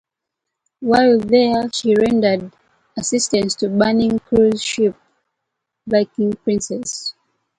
While there she rendered assistance to burning cruise ship, "Viking Princess".